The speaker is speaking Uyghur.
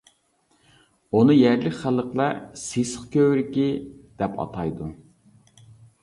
ئۇنى يەرلىك خەلقلەر «سېسىق كۆۋرۈكى» دەپ ئاتايدۇ.